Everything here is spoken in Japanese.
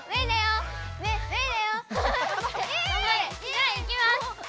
じゃあいきます。